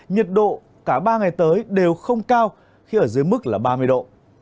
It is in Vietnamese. nhiệt độ cả ba ngày tới đều không cao khi ở dưới mức là ba mươi độ